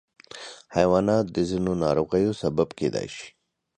حیوانات د ځینو ناروغیو سبب کېدای شي.